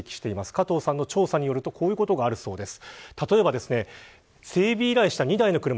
加藤さんの調査によるとこういうことがあるそうです。